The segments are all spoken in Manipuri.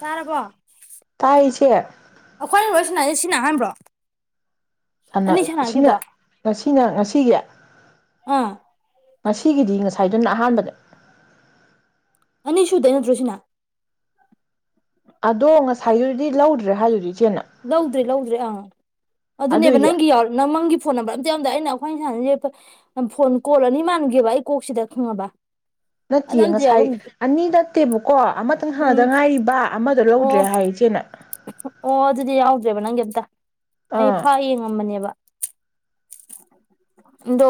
ꯇꯥꯔꯕꯣ ꯇꯥꯔꯤꯁꯦ ꯑꯩꯈꯣꯏ ꯁꯤꯅꯩꯌꯦ ꯁꯤꯅ ꯑꯍꯥꯟꯕ꯭ꯔꯣ ꯑꯅꯤ ꯑꯁꯤꯅ ꯁꯥꯟꯅꯈꯤꯕꯗꯣ ꯉꯁꯤꯅ ꯉꯁꯤꯒꯤ ꯑꯥ ꯉꯁꯤꯒꯤꯗꯤ ꯉꯁꯥꯏ ꯉꯁꯥꯏꯗꯨꯅ ꯑꯍꯥꯟꯕꯗ ꯑꯅꯤꯁꯨꯨꯗꯩꯩ ꯅꯠꯇ꯭ꯔꯣꯁꯤꯅ ꯑꯗꯣ ꯉꯁꯥꯏꯗꯨꯗꯤ ꯂꯧꯗ꯭ꯔꯦ ꯍꯥꯏꯗꯨꯗꯤ ꯏꯆꯦꯅ ꯂꯧꯗ꯭ꯔꯦ ꯂꯧꯗ꯭ꯔꯦ ꯑꯥ ꯑꯗꯨꯅꯦꯕ ꯑꯗꯨꯏꯗꯤ ꯅꯪꯒꯤ ꯌꯥꯎ ꯅꯪꯒꯤ ꯐꯣꯟ ꯅꯝꯕꯔ ꯑꯝꯇ ꯌꯥꯎꯔꯝꯗꯦ ꯑꯩꯅ ꯑꯩꯈꯣꯏꯅ ꯁꯥꯟꯅꯩꯁꯦ ꯐꯣꯟ ꯀꯣꯜ ꯑꯅꯤ ꯃꯥꯟꯒꯦꯕ ꯑꯩ ꯀꯣꯛꯁꯤꯗ ꯈꯪꯉꯕ ꯑꯗꯨ ꯅꯠꯇꯦ ꯑꯝꯇ ꯉꯁꯥꯏ ꯌꯥꯎꯔꯝꯗꯦ ꯑꯅꯤ ꯅꯠꯇꯦꯕꯀꯣ ꯑꯃꯇꯪ ꯁꯥꯟꯅꯗ ꯎꯝ ꯉꯥꯏꯔꯤꯕ ꯑꯃꯗꯣ ꯑꯣ ꯂꯧꯗ꯭ꯔꯦ ꯍꯥꯏꯔꯦ ꯏꯆꯦꯅ ꯂꯧꯗꯔꯦꯕ ꯅꯪꯒꯤ ꯑꯃꯠꯇ ꯑꯩ ꯑꯥ ꯐꯥꯛꯑ ꯌꯦꯡꯉꯝꯕꯅꯦꯕ ꯑꯗꯣ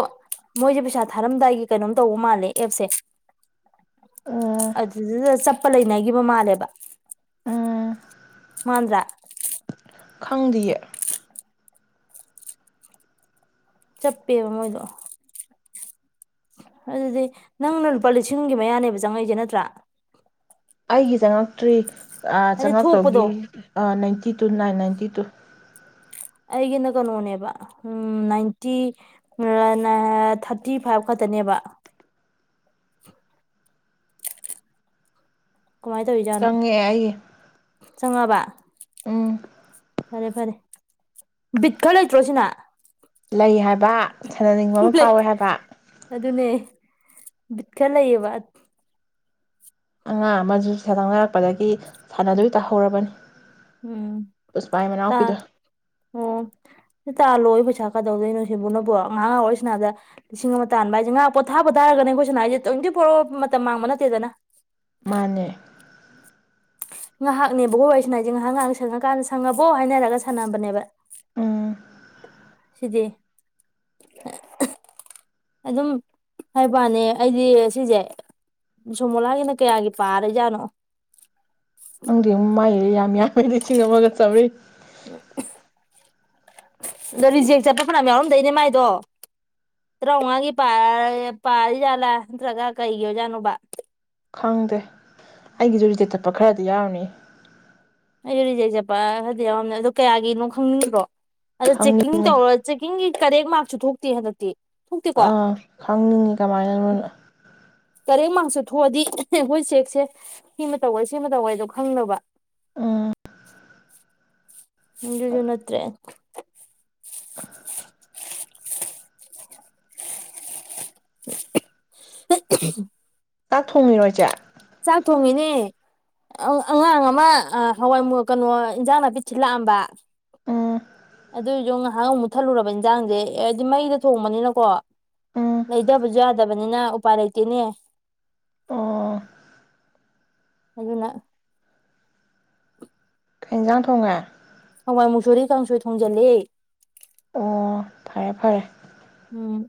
ꯃꯣꯏꯁꯦ ꯄꯩꯁꯥ ꯊꯥꯔꯝꯗꯥꯏꯒꯤ ꯀꯩꯅꯣꯝ ꯇꯧꯕ ꯃꯥꯜꯂꯦ ꯑꯦꯞꯁꯦ ꯑꯣ ꯑꯗꯨꯗꯨꯗ ꯆꯞ ꯆꯞꯄ ꯂꯩꯅꯈꯤꯕ ꯃꯥꯜꯂꯦꯕ ꯎꯝ ꯃꯥꯟꯗ꯭ꯔꯥ ꯈꯪꯗꯤꯌꯦ ꯆꯞꯄꯦꯕ ꯃꯣꯏꯗꯣ꯫ ꯑꯗꯨꯗꯤ ꯅꯪꯅ ꯂꯨꯄꯥ ꯂꯤꯁꯤꯡꯒꯤ ꯃꯌꯥꯅꯦꯕ ꯆꯪꯉꯛꯏꯁꯦ ꯅꯠꯇ꯭ꯔꯥ꯫ ꯑꯩꯒꯤ ꯆꯉꯛꯇ꯭ꯔꯤ ꯍꯥꯏꯗꯤ ꯊꯣꯛꯄꯗꯣ ꯆꯪꯉꯛꯇꯧꯒꯤ ꯑ ꯅꯥꯏꯟꯇꯤ ꯇꯤ ꯇꯨ ꯅꯥꯏꯟ ꯅꯥꯏꯟꯇꯤ ꯇꯨ ꯑꯩꯒꯤꯅ ꯀꯅꯣꯅꯦꯕ ꯅꯥꯏꯟꯇꯤ ꯅꯥ ꯊꯥꯔꯇꯤ ꯐꯥꯏꯞ ꯈꯛꯇꯅꯦꯕ꯫ ꯀꯃꯥꯏꯅ ꯇꯧꯔꯤꯖꯥꯠꯅꯣ꯫ ꯆꯪꯉꯛꯑꯦ ꯑꯩꯒꯤ ꯆꯪꯉꯛꯑꯕꯥ꯫ ꯎꯝ ꯐꯔꯦ ꯐꯔꯦ ꯕꯤꯠ ꯈꯔ ꯂꯩꯇ꯭ꯔꯣ ꯁꯤꯅ꯫ ꯂꯩ ꯍꯥꯏ ꯍꯥꯏꯕ ꯁꯥꯟꯅꯅꯤꯡꯕ ꯑꯃ ꯂꯩ ꯐꯥꯎꯋꯦ ꯍꯥꯏꯕ ꯑꯗꯨꯅꯦ ꯕꯤꯠ ꯈꯔ ꯂꯩꯌꯦꯕ ꯑꯉꯥꯡ ꯑꯃꯁꯨ ꯁꯥꯟ ꯁꯥꯟꯂꯥꯛꯄꯗꯒꯤ ꯁꯥꯟꯅꯗꯣꯏ ꯇꯥꯍꯧꯔꯕꯅꯤ ꯎꯝ ꯄꯨꯁꯄꯥꯏ ꯇ ꯃꯅꯥꯎꯄꯤꯗꯣ ꯍ ꯇ ꯂꯣꯋ ꯄꯩꯁꯥꯗꯨ ꯀꯗꯧꯗꯣꯏꯅꯣ ꯁꯤꯕꯨꯅꯕꯣ ꯉꯍꯥꯥꯏꯍꯥꯛ ꯑꯣꯏꯔꯤꯁꯤꯅꯥꯗ ꯂꯤꯁꯤꯡ ꯑꯃ ꯇꯥꯟꯕ ꯍꯥꯏꯁꯦꯥꯏꯍꯥꯛ ꯄꯣ ꯊꯥꯕ ꯇꯥꯔꯒꯅꯦ ꯑꯩꯈꯣꯏ ꯁꯤꯅꯥ ꯑꯩꯁꯦ ꯇ꯭ꯋꯦꯟꯇꯤ ꯐꯣꯔ ꯑꯋꯥꯔ ꯃꯇꯝ ꯃꯥꯡꯕ ꯅꯠꯇꯦꯗꯅ ꯃꯥꯅꯦ ꯉꯥꯏꯍꯥꯛꯅꯦꯕ ꯋꯔꯤ ꯁꯟꯅꯔꯤꯁꯦ ꯍꯥꯏꯁ ꯉꯥꯏꯍꯥꯛ ꯉꯥꯏꯍꯥꯛ ꯁꯪꯉꯀꯥꯟꯗ ꯁꯪꯉꯕꯣ ꯍꯥꯏꯅꯔꯒ ꯁꯥꯟꯝꯕꯅꯦꯕ ꯎꯝ ꯁꯤꯗꯤ ꯑꯗꯨꯝ ꯍꯥꯏꯕ ꯋꯥꯅꯦ ꯑꯩꯗꯤ ꯁꯤꯁꯦ ꯁꯣꯃꯣꯂꯥꯒꯤꯅ ꯀꯌꯥꯒꯤ ꯄꯥꯔꯖꯥꯠꯅꯣ ꯑꯪꯗꯤ ꯃꯥꯏ ꯌꯥꯝꯌꯥꯝ ꯈꯣꯏꯗꯤ ꯂꯤꯁꯤꯡ ꯑꯃꯒ ꯆꯝꯕꯔꯤ ꯑꯗꯣ ꯔꯤꯖꯦꯛ ꯆꯠꯄ ꯐꯅꯌꯥꯝ ꯌꯥꯎꯔꯝꯗꯣꯏꯅꯦ ꯃꯥꯏꯗꯣ ꯇꯔꯥꯃꯉꯥꯒꯤ ꯄꯥꯔꯤꯖꯥꯠꯂꯥ ꯅꯠꯇ꯭ꯔꯒ ꯀꯩꯒꯤ ꯑꯣꯏꯖꯥꯠꯅꯣꯕ ꯈꯪꯗꯦ ꯑꯩꯒꯤꯁꯨ ꯔꯤꯇꯦ ꯊꯞꯄ ꯈꯔꯗꯤ ꯌꯥꯎꯔꯝꯅꯤ ꯑꯩꯁꯨ ꯔꯤꯖꯩ ꯆꯠꯄ ꯍꯥꯏꯗꯤ ꯌꯥꯎꯝ ꯑꯗꯨꯣ ꯀꯌꯥꯒꯤꯅꯣ ꯈꯪꯅꯤꯡꯕ꯭ꯔꯣ ꯑꯗꯣ ꯆꯦꯛꯀꯤꯡ ꯈꯪꯅꯤꯡꯉꯦ ꯇꯧꯔ ꯆꯦꯛꯀꯤꯡꯒꯤ ꯀꯔꯦꯛ ꯃꯥꯔꯁꯨ ꯊꯣꯛ [unintelligible] ꯑꯥ ꯈꯪꯅꯤꯡꯉꯤ ꯀꯃꯥꯏꯅꯅꯣ ꯇꯔꯦꯡ ꯃꯁꯨ ꯊꯣꯛꯑꯗꯤ ꯑꯩꯈꯣꯏ ꯆꯦꯛꯁꯦ ꯁꯤꯃ ꯇꯧꯋꯦ ꯁꯤꯃ ꯇꯧꯋꯦꯗꯣ ꯈꯪꯅꯕ ꯑ [inaudible] [unintelligible] ꯅꯠꯇꯔꯦ [unintelligible] [unintelligible] ꯆꯥꯛ ꯊꯣꯡꯉꯤꯔꯣ ꯏꯆꯦ ꯆꯥꯛ ꯊꯣꯡꯉꯤꯅꯦ ꯑꯉꯥꯡ ꯑꯃ ꯍꯋꯥꯏ ꯀꯩꯅꯣ ꯏꯟꯖꯥꯡ ꯅꯥꯄꯤ ꯊꯤꯜꯂꯛꯑꯝꯕ ꯎꯝ ꯑꯗꯨꯏꯁꯨ ꯉꯥꯏꯍꯥꯛ ꯑꯃꯨꯛ ꯊꯜꯂꯨꯔꯕ ꯏꯟꯖꯥꯡꯁꯦ ꯍꯥꯏꯗꯤ ꯃꯩꯗ ꯊꯣꯡꯕꯅꯤꯅꯀꯣ ꯎꯝ ꯂꯩꯗꯕꯁꯨ ꯌꯥꯗꯕꯅꯤꯅ ꯎꯄꯥꯏ ꯂꯩꯇꯦꯅꯦ ꯑꯣ ꯑꯗꯨꯅ ꯀꯩꯖꯥꯡ ꯊꯣꯉꯦ ꯍꯋꯥꯏ ꯃꯨꯁꯣꯏꯔꯤ ꯀꯥꯡꯁꯣꯏ ꯊꯣꯡꯖꯤꯜꯂꯦ ꯑꯣ ꯐꯔꯦ ꯐꯔꯦ ꯎꯝ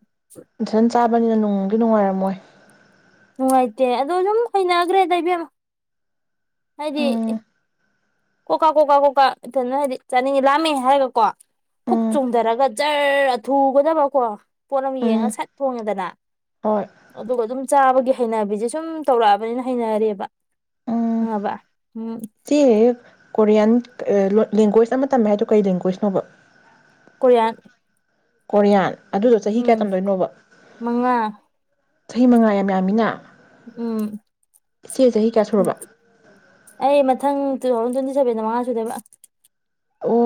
ꯅꯊꯟ ꯆꯥꯕꯅꯤꯅ ꯅꯨꯡꯗꯤ ꯅꯨꯡꯉꯥꯏꯔꯝꯃꯣꯏ ꯅꯨꯡꯉꯥꯏꯇꯦ ꯑꯗꯣ ꯑꯗꯨꯝ ꯍꯩꯅꯈ꯭ꯔꯦ ꯗ ꯏꯕꯦꯝꯃ ꯍꯥꯏꯗꯤ ꯎꯝ ꯀꯣ ꯀꯥ ꯀꯣꯛ ꯀꯥ ꯀꯣꯛ ꯀꯥ ꯏꯊꯟꯇ ꯍꯥꯏꯗꯤ ꯆꯥꯅꯤꯡꯉꯦ ꯂꯥꯝꯃꯦ ꯍꯥꯏꯔꯒꯀꯣ ꯐꯨꯛ ꯎꯝ ꯆꯣꯡꯗꯔꯒ ꯖꯔ ꯑꯊꯨꯒꯗꯕꯀꯣ ꯄꯣꯠ ꯑꯃ ꯎꯝ ꯌꯦꯡꯉꯒ ꯁꯠ ꯊꯣꯡꯉꯦꯗꯅ ꯍꯣꯏ ꯑꯗꯨꯒ ꯑꯗꯨꯝ ꯆꯥꯕꯒꯤ ꯍꯩꯅꯕꯤꯖꯦ ꯁꯨꯝ ꯇꯧꯔꯛꯑꯕꯅꯤꯅ ꯍꯩꯅꯔꯕ ꯈꯪꯉꯕ ꯎꯝ ꯁꯤ ꯀꯣꯔꯤꯌꯥꯟ ꯂꯦꯡꯒꯣꯏꯁ ꯑꯃ ꯇꯝꯃꯦ ꯍꯥꯏꯗꯣ ꯀꯩ ꯂꯦꯡꯒꯣꯏꯖꯅꯣꯕ ꯀꯣꯔꯤꯌꯥꯟ ꯀꯣꯔꯤꯌꯥꯟ ꯑꯗꯨꯗꯣ ꯆꯍꯤ ꯀꯌꯥ ꯎꯝ ꯇꯝꯗꯣꯏꯅꯣꯕ ꯃꯉꯥ ꯆꯍꯤ ꯃꯉꯥ ꯌꯥꯝ ꯌꯥꯝꯃꯤꯅ ꯎꯝ ꯏꯆꯦ ꯆꯍꯤ ꯀꯌꯥ ꯁꯨꯔꯕ ꯇꯨꯊꯥꯎꯖꯟ ꯇꯨꯋꯦꯟꯇꯤ ꯁꯕꯦꯟꯗ ꯃꯉꯥ ꯁꯨꯗꯣꯏꯕ ꯑꯣ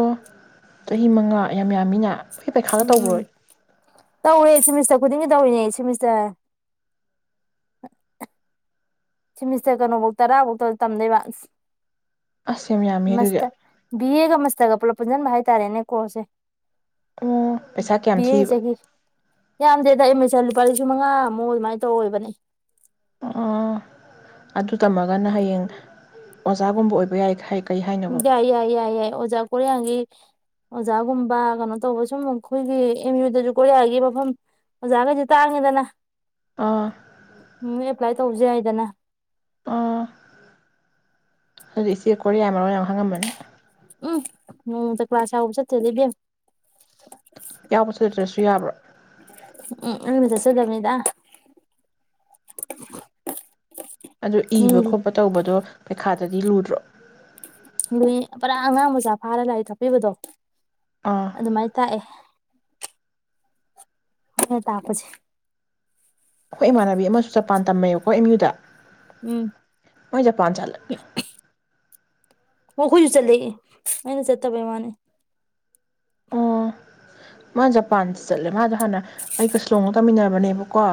ꯆꯍꯤ ꯃꯉꯥ ꯌꯥꯝ ꯌꯥꯝ ꯌꯥꯝꯃꯤꯅ ꯃꯣꯏ ꯄꯥꯔꯤꯈꯥꯒ ꯎꯝ ꯇꯩꯕꯔꯣ ꯇꯧꯔꯦ ꯁꯤꯃꯤꯁꯇꯔ ꯈꯨꯗꯤꯡꯒꯤ ꯇꯧꯔꯤꯅꯦ ꯁꯤꯃꯤꯁꯇꯔ ꯁꯦꯃꯤꯁꯇꯔ ꯀꯩꯅꯣꯕꯧ ꯇꯔꯥꯕꯧꯇꯝꯗꯩꯕ ꯑꯁ ꯌꯥꯝ ꯌꯥꯝꯃꯦ ꯑꯗꯨꯗꯤ ꯃꯁꯇ ꯕꯤꯑꯦꯒ ꯃꯁꯇ ꯒ ꯄꯨꯂꯞ ꯄꯨꯖꯟꯕ ꯍꯥꯏꯇꯥꯔꯦꯅꯦ ꯀꯣꯁꯁꯦ ꯑꯣ ꯄꯩꯁꯥ ꯀꯌꯥꯝ ꯕꯤꯑꯦ ꯊꯤꯕ ꯆꯍꯤ ꯌꯥꯝꯗꯦꯗ ꯑꯩ ꯃ ꯆꯠꯂꯨ ꯂꯨꯄꯥ ꯂꯤꯁꯤꯡ ꯃꯉꯥꯃꯨꯛ ꯑꯗꯨꯃꯥꯏꯅ ꯇꯧꯒꯤꯕꯅꯦ ꯑꯥ ꯑ ꯑꯗꯨ ꯇꯝꯃꯒꯅ ꯍꯌꯦꯡ ꯑꯣꯖꯥꯒꯨꯝꯕ ꯑꯣꯏꯕ ꯌꯥꯏ ꯀꯩ ꯍꯥꯏꯅꯣꯕ ꯌꯥꯏ ꯌꯥꯏ ꯌꯥꯏ ꯌꯥꯏ ꯑꯣꯖꯥ ꯀꯣꯔꯤꯌꯥꯒꯤ ꯑꯣꯖꯥꯒꯨꯝꯕ ꯀꯩꯅꯣ ꯇꯧꯕ ꯁꯨꯝ ꯑꯈꯣꯏꯒꯤ ꯑꯦꯝ ꯌꯨꯗꯖꯤ ꯀꯣꯔꯤꯌꯥꯒꯤ ꯃꯐꯝ ꯑꯣꯖꯥꯒꯩꯖꯦ ꯇꯥꯡꯉꯤꯗꯅ ꯑꯥ ꯎꯝ ꯑꯦꯄꯂ꯭ꯥꯏꯠ ꯇꯧꯖꯦ ꯍꯥꯏꯗꯅ ꯑꯥ ꯑꯗꯨꯗꯤ ꯏꯆꯦ ꯀꯣꯔꯤꯌꯥ ꯃꯔꯣꯜ ꯌꯥꯝꯅ ꯈꯪꯉꯝꯃꯅꯤ ꯎꯝ ꯅꯣꯡꯃꯇ ꯀꯂ꯭ꯥꯁ ꯌꯥꯎꯕ ꯆꯠꯇꯦꯗ ꯏꯕꯦꯝꯃ ꯌꯥꯎꯕ ꯆꯠꯇꯔꯁꯨ ꯌꯥꯕ꯭ꯔꯣ ꯆꯗꯕꯅꯤꯗ ꯑꯗꯨ ꯏꯕ ꯈꯣꯠꯄ ꯇꯧꯕꯗꯣ ꯄꯩꯈꯥ ꯇꯗꯤ ꯂꯨꯗ꯭ꯔꯣ ꯂꯨꯏ ꯄꯨꯔꯥ ꯑꯉꯥꯡ ꯃꯆꯥ ꯐꯥꯔ ꯂꯥꯏꯔꯤꯛ ꯇꯥꯛꯄꯤꯕꯗꯣ ꯑꯥ ꯑꯗꯨꯃꯥꯏ ꯇꯥꯛꯑꯦ ꯑꯩꯅ ꯇꯥꯛꯄꯁꯦ ꯑꯈꯣꯏ ꯏꯃꯥꯟꯅꯕꯤ ꯑꯃꯁꯨ ꯆꯄꯥꯟ ꯇꯝꯃꯦꯕꯀꯣ ꯑꯦꯝ ꯃꯤꯎꯗ ꯎꯝ ꯃꯣꯏ ꯖꯄꯥꯟ ꯆꯂ ꯍꯣ ꯑꯩꯈꯣꯏꯁꯨ ꯆꯠꯂꯦ ꯑꯩꯅ ꯆꯠꯇꯕꯩ ꯋꯥꯅꯦ ꯑꯣ ꯃꯥ ꯖꯄꯥꯟꯗ ꯆꯠꯂꯦ ꯃꯥꯗꯣ ꯑꯩꯒ ꯍꯥꯟꯅ ꯁꯤꯜꯂꯣꯡꯗ ꯇꯝꯃꯤꯟꯅꯕꯅꯦꯕꯀꯣ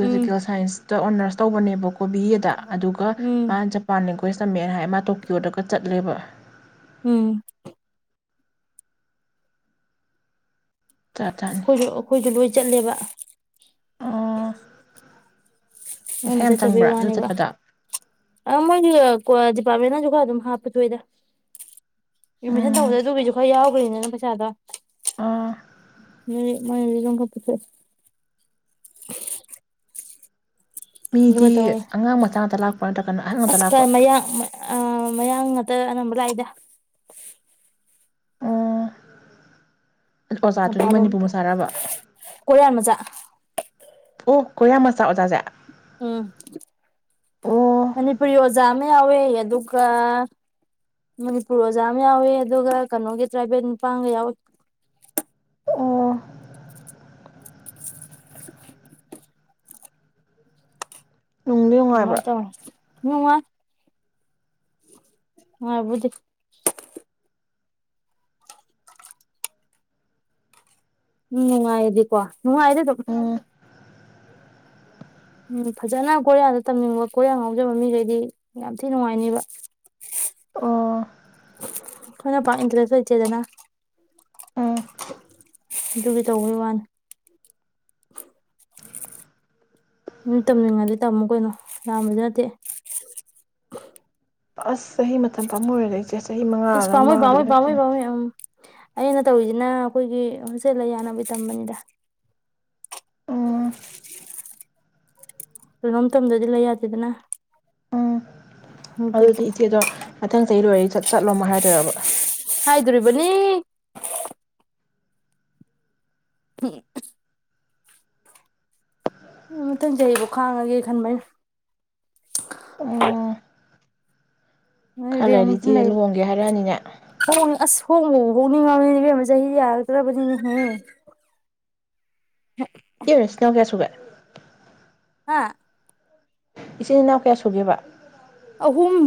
ꯎꯝ ꯁꯥꯏꯟꯁꯇ ꯑꯣꯅꯔꯁ ꯇꯧꯕꯅꯦꯕꯀꯣ ꯀꯣꯕꯤ ꯑꯗ ꯑꯗꯨꯒ ꯃꯥ ꯎꯝ ꯖꯄꯥꯟ ꯋꯦꯁ ꯇꯃꯦꯅ ꯍꯥꯏ ꯃꯥ ꯇꯣꯀꯤꯌꯣꯗꯒ ꯆꯠꯂꯦꯕ ꯎꯝ ꯖꯥꯠ ꯖꯥꯠꯅꯤ ꯑꯩꯈꯣꯏꯁꯨ ꯑꯩꯈꯣꯏꯁꯨ ꯂꯣꯏ ꯆꯠꯂꯦꯕ [inaudible] ꯑꯣ ꯄꯩꯁꯥ ꯑꯩꯅ ꯌꯥꯝ ꯆꯠꯇꯕꯩ ꯆꯪꯕ꯭ꯔꯥ ꯑꯗꯨ ꯋꯥꯅꯦꯕ ꯆꯠꯄꯗ ꯑ ꯃꯣꯏꯒꯤ ꯀꯣ ꯗꯤꯄꯥꯔꯃꯦꯟꯅꯖꯨ ꯈꯔ ꯑꯗꯨꯝ ꯍꯥꯞ ꯄꯨꯊꯣꯛꯏꯗ ꯑꯦꯃꯤꯁꯟ ꯎꯝ ꯇꯧꯕꯗ ꯑꯗꯨꯒꯤꯖꯨ ꯈꯔ ꯌꯥꯎꯒꯔ꯭ꯤꯅꯤꯗꯅ ꯄꯩꯁꯥꯗꯣ ꯑꯥ ꯃꯤ ꯃꯣꯏꯅꯖꯨꯗꯨꯝ ꯈꯥ ꯄꯨꯊꯣꯛ ꯑꯦ ꯃꯤꯗꯤ ꯑꯉꯥꯡ ꯃꯆꯥ ꯉꯥꯇ ꯂꯥꯛꯄ꯭ꯔꯥ ꯅꯠꯇ꯭ꯔ ꯀꯅ ꯑꯍꯟ ꯉꯥꯇ ꯑꯁ ꯂꯥꯛꯄ꯭ꯔꯥ ꯇ ꯑꯅꯝꯕ ꯂꯥꯏꯗ ꯑꯥ ꯃꯄꯥꯜꯂꯣꯝ ꯀꯣꯔꯤꯌꯥ ꯃꯆꯥ ꯑꯣ ꯀꯣꯔꯣꯌꯥ ꯃꯆꯥꯥ ꯑꯣꯖꯥꯖꯦ ꯎꯝ ꯑꯣ ꯃꯅꯤꯄꯨꯔꯤ ꯑꯣꯖꯥ ꯑꯃ ꯌꯥꯎꯋꯦ ꯑꯗꯨꯒ ꯃꯅꯤꯄꯨꯔ ꯑꯣꯖꯥ ꯑꯃ ꯌꯥꯎꯋꯦ ꯑꯗꯨꯒ ꯀꯅꯣꯒꯤ ꯇ꯭ꯔꯥꯏꯕꯦꯟ ꯅꯨꯄꯥꯑꯝꯒ ꯌꯥꯎꯋꯦ ꯑꯣ ꯅꯨꯡꯗꯤ ꯑꯗꯨꯃꯩ ꯅꯨꯡꯉꯥꯏꯕ꯭ꯔꯥ ꯇꯣꯌꯥ꯫ ꯅꯨꯡꯉꯥꯏ ꯉꯥꯏꯕꯨꯗꯤ ꯎꯝ ꯅꯨꯡꯉꯥꯏꯗꯤ ꯀꯣ ꯅꯨꯡꯉꯥꯏꯗꯤ ꯗꯨꯝ ꯎꯝ ꯎꯝ ꯐꯖꯅ ꯀꯣꯔꯤꯌꯥꯗ ꯇꯝꯅꯤꯡꯕ ꯀꯣꯔꯤꯌꯥ ꯉꯥꯎꯖꯕ ꯃꯤꯒꯩꯗꯤ ꯌꯥꯝ ꯊꯤ ꯅꯨꯡꯉꯥꯏꯅꯤꯕ ꯑꯣ ꯈꯣꯏꯅ ꯄꯥꯛ ꯏꯟꯇꯔꯦꯁ ꯂꯩꯇꯦꯗꯅ ꯎꯝ ꯑꯗꯨꯒꯤ ꯇꯧꯕꯩ ꯋꯥꯅ ꯎꯝ ꯇꯝꯅꯤꯡꯉꯗꯤ ꯇꯝꯃꯨ ꯀꯩꯅꯣ ꯌꯝꯕꯥꯖꯨ ꯅꯠꯇꯦ ꯑꯁ ꯆꯍꯤ ꯃꯇꯝ ꯄꯥꯝꯃꯨꯔꯦꯗ ꯏꯆꯦꯁ ꯑꯁ ꯄꯥꯃꯨꯏ ꯄꯥꯃꯨꯏ ꯄꯥꯃꯨꯏ ꯄꯥꯃꯨꯏ ꯎꯝ ꯑꯩꯅ ꯇꯧꯔꯤꯖꯤꯅ ꯑꯩꯈꯣꯏꯒꯤ ꯍꯣꯁꯇꯦꯜ ꯂꯩ ꯌꯥꯅꯕꯩ ꯇꯝꯕꯅꯤꯗ ꯎꯝ ꯀꯩꯅꯣꯝ ꯇꯝꯗꯗꯤ ꯂꯩ ꯌꯥꯗꯦꯗꯅ ꯎꯝ ꯑꯗꯨꯒꯤ ꯑꯗꯨꯗꯤ ꯏꯆꯦꯗꯣ ꯃꯊꯪ ꯆꯍꯤ ꯂꯣꯏ ꯆꯠ ꯆꯠꯂꯣ ꯃꯨꯛ ꯍꯥꯏꯔ [unintelligible] ꯍꯥꯏꯗꯨꯔꯤꯕꯅꯤ [unintelligible] ꯃꯊꯪ ꯆꯍꯤꯕꯧ ꯈꯥꯡꯉꯒꯦ ꯈꯟꯕ ꯑꯩꯅ ꯎꯝ ꯑꯩꯅ ꯈꯔ ꯔꯦꯟ ꯂꯩꯔꯗꯤ ꯏꯆꯦ ꯂꯩ ꯂꯨꯍꯣꯡꯒꯦ ꯍꯥꯏꯔꯛꯑꯅꯤꯅꯦ ꯍꯣꯡꯉꯦ ꯑꯁ ꯍꯣꯡꯕꯨ ꯍꯣꯡꯅꯤꯡꯉꯕꯅꯤ ꯏꯕꯦꯃꯥ ꯆꯍꯤꯖꯦ ꯌꯥꯔꯛꯇ꯭ꯔꯕꯅꯤꯅꯦꯍꯦ [unintelligible] ꯆꯦ ꯅꯣꯢꯁꯦ ꯅꯆꯤꯟꯅꯥꯎ ꯀꯌꯥ ꯁꯨꯒꯦ ꯍꯥꯥ ꯏꯆꯤꯟ ꯏꯅꯥꯎ ꯀꯌꯥ ꯁꯨꯒꯦꯕ ꯑꯍꯨꯝ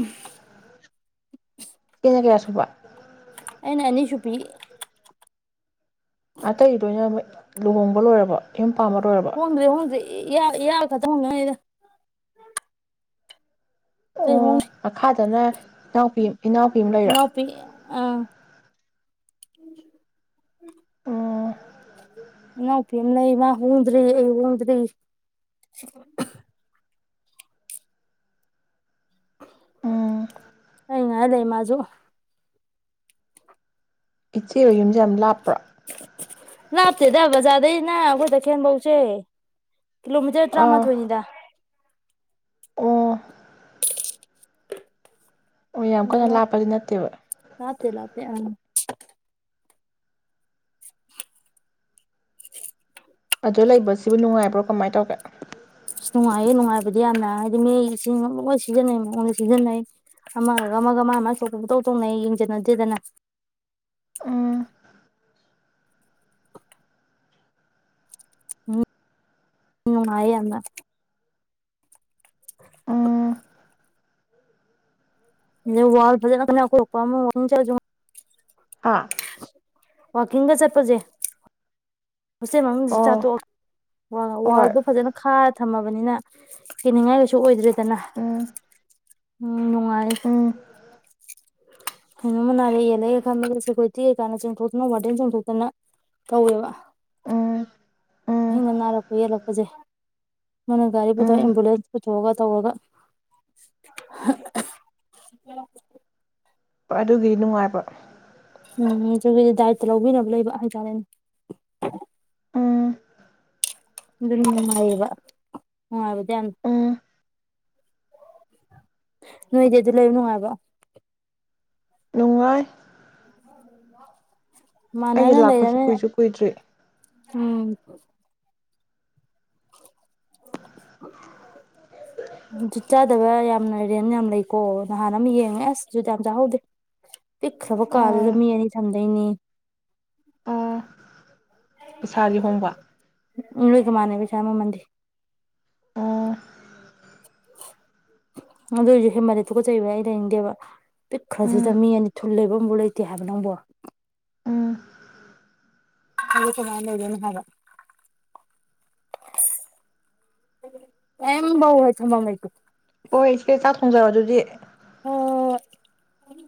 [inaudible] ꯅ ꯀꯌꯥꯁꯨꯕ ꯑꯩꯅꯥ ꯑꯅꯤ ꯁꯨꯕꯤ ꯑꯇꯩ ꯂꯣꯏꯅ ꯃꯣꯏ ꯂꯨꯍꯣꯡꯕ ꯂꯣꯏꯔꯕꯣ ꯌꯨꯝ ꯄꯥꯟꯕ ꯂꯣꯏꯔꯕꯣ ꯍꯣꯡꯗ꯭ꯔꯤ ꯍꯣꯡꯗ꯭ꯔꯤ ꯏꯌꯥ ꯏꯌꯥ [inaudible] [unintelligible] ꯑꯇꯩ ꯑꯣ ꯍꯣꯡꯗ꯭ꯔꯤ ꯃꯈꯥꯗꯅ ꯏꯅꯥꯎꯄꯤ ꯏꯅꯥꯎꯄꯤ ꯑꯃ ꯂꯩꯔꯣ ꯏꯅꯥꯎꯄꯤ ꯑꯪ [inaudible] ꯎꯝ ꯏꯅꯥꯎꯄꯤ ꯑꯃ ꯂꯩ ꯃꯥ ꯍꯣꯡꯗ꯭ꯔꯤ ꯑꯩ ꯍꯣꯡꯗ꯭ꯔꯤ ꯎꯝ ꯑꯩ ꯉꯥꯢ ꯂꯩ ꯃꯥꯁꯨ ꯏꯆꯦ ꯍꯣꯢ ꯌꯨꯝ ꯌꯥꯝ ꯂꯥꯞꯄ꯭ꯔꯣ ꯂꯥꯞꯇꯦꯗꯥ ꯕꯖꯥꯔꯗꯩꯅ ꯑꯩꯈꯣꯢ ꯇꯈꯦꯟꯐꯧꯁꯦ ꯀꯤꯂꯣꯃꯤꯇꯔ ꯑꯥ ꯇꯔꯥꯃꯥꯊꯣꯢꯅꯤꯗ ꯑꯣ ꯑꯣ ꯌꯥꯝ ꯀꯟꯅ ꯂꯥꯞꯄꯗꯤ ꯅꯠꯇꯦꯕ [inaudible] ꯂꯥꯞꯇꯦ ꯂꯥꯞꯇꯦ ꯑꯪ [inaudible] ꯑꯗ ꯂꯩꯕꯁꯤꯕꯨ ꯅꯨꯡꯉꯥꯏꯕ꯭ꯔꯣ ꯀꯃꯥꯏ ꯇꯧꯒꯦ ꯃꯤꯒꯤ ꯏꯁꯤꯡ ꯂꯣꯏ ꯁꯤꯖꯤꯟꯅꯩ ꯃꯑꯣꯡꯗ ꯁꯤꯖꯤꯟꯅꯩ ꯑꯃꯒ ꯑꯃꯒ ꯃꯥ ꯃꯥꯅ ꯊꯣꯛꯄ ꯄꯪꯇꯧ ꯇꯧꯅꯩ ꯌꯦꯡꯖꯟꯅꯗꯦꯗꯅ ꯎꯝ ꯅꯨꯡꯉꯥꯢ ꯌꯥꯝꯅ ꯎꯝ [inaudible] ꯋꯥꯜ ꯐꯖꯅ [inaudible] ꯋꯥꯀꯤꯡ ꯆꯠꯂꯖꯨ ꯍꯥꯥ ꯋꯥꯀꯤꯡꯒ ꯆꯠꯄꯁꯦ ꯍꯣꯁꯇꯦꯜ ꯃꯅꯨꯡꯖꯦ ꯆꯥꯛ ꯑꯣ ꯇꯣꯛꯑ ꯋꯥ ꯍꯣꯏ ꯋꯥꯜꯗꯣ ꯐꯖꯅ ꯈꯥꯔ ꯊꯝꯃꯕꯅꯤꯅ ꯀꯤꯅꯤꯡꯉꯥꯏ ꯀꯩꯁꯨ ꯑꯣꯏꯗ꯭ꯔꯦꯗꯅ ꯎꯝ ꯎꯝ ꯅꯨꯡꯉꯥꯏꯌꯦ ꯎꯝ ꯀꯩꯅꯣꯝꯃ ꯅꯥꯔꯛ ꯌꯦꯛꯂꯛꯑꯦ ꯈꯟꯕꯁꯦ ꯁꯦꯀꯨꯔꯤꯇꯤ ꯀꯩꯀꯥꯅ ꯆꯣꯡꯊꯣꯛꯇꯅ ꯋꯥꯔꯗꯦꯟ ꯆꯣꯡꯊꯣꯛꯇꯅ ꯇꯧꯋꯦꯕ ꯎꯝ ꯎꯝ ꯑꯍꯤꯡꯗ ꯅꯥꯔꯛꯄ ꯌꯦꯛꯂꯛꯄꯁꯦ ꯃꯣꯏꯅ ꯒꯥꯔꯤ ꯄꯨꯊꯣꯛꯑ ꯎꯝ ꯑꯦꯝꯕꯨꯂꯦꯟꯁ ꯄꯨꯊꯣꯛꯑꯒ ꯇꯧꯔꯒ ꯑꯗꯨꯒꯤꯗꯤ ꯅꯨꯡꯉꯥꯏꯕ ꯎꯝ ꯑꯗꯨꯒꯤꯗꯤ ꯗꯥꯏꯇ ꯂꯧꯕꯤꯅꯕ ꯂꯩꯕ ꯍꯥꯏꯇꯥꯔꯦꯅꯦ ꯎꯝ ꯑꯗꯨꯅ ꯅꯨꯡꯉꯥꯏꯌꯦꯕ ꯅꯨꯡꯉꯥꯏꯕꯗꯤ ꯌꯥꯝꯅ ꯎꯝ ꯅꯣꯏꯗꯤ ꯑꯗꯨꯗ ꯂꯩꯕ ꯅꯨꯡꯉꯥꯏꯕ꯭ꯔꯣ ꯅꯨꯡꯉꯥꯢ [inaudible] ꯑꯩꯩꯗꯤ ꯂꯥꯛꯄꯁꯨ ꯂꯩꯔꯅꯤꯅ ꯀꯨꯏꯁꯨ ꯀꯨꯏꯗ꯭ꯔꯤ ꯎꯝ ꯖꯨꯠ ꯆꯥꯗꯕ ꯌꯥꯝꯅ ꯔꯦꯟꯠ ꯌꯥꯝ ꯂꯩꯀꯣ ꯅꯍꯥꯟ ꯑꯃ ꯌꯦꯡꯉꯦ ꯑꯁ ꯖꯨꯠ ꯌꯥꯝ ꯆꯥꯍꯧꯗꯦ ꯄꯤꯛꯈ꯭ꯔꯕ ꯀꯥꯗꯨꯗ ꯑꯣ ꯃꯤ ꯑꯅꯤ ꯊꯝꯗꯣꯏꯅꯦꯌꯦ ꯄꯩꯁꯥꯗꯤ ꯍꯣꯡꯕ ꯅꯣꯏꯒ ꯃꯥꯟꯅꯩ ꯄꯩꯁꯥ ꯃꯃꯜꯗꯤ ꯑꯣ ꯑꯗꯨꯑꯣꯏꯁꯨ ꯍꯦꯟꯃꯜꯂꯦ ꯇꯨꯀꯠꯆꯩꯕ ꯑꯩ ꯂꯩꯅꯤꯡꯗꯦꯕ ꯄꯤꯛꯈ꯭ꯔꯗꯨꯗ ꯎꯝ ꯃꯤ ꯑꯅꯤ ꯊꯨꯜ ꯂꯩꯕꯝꯕꯣꯛ ꯂꯩꯇꯦ ꯍꯥꯏꯕ ꯅꯪꯕꯨ ꯎꯝ ꯑꯗ ꯀꯃꯥꯢ ꯂꯩꯗꯣꯢꯅꯣ ꯍꯥꯢꯕ ꯀꯩꯝꯐꯥꯎ ꯍꯦꯛ ꯊꯝꯕꯝ ꯂꯩꯇꯦ ꯍꯣꯢ ꯏꯆꯦ ꯆꯥꯛ ꯊꯣꯡꯖꯔꯣ ꯑꯗꯨꯗꯤ ꯍꯣ ꯍꯣ ꯍꯣꯢ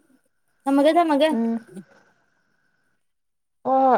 ꯊꯝꯃꯒꯦ ꯊꯝꯃꯒꯦ ꯎꯝ ꯍꯣꯏ ꯍꯣꯏ